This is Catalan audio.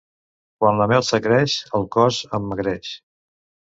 Quan la melsa creix, el cos emmagreix.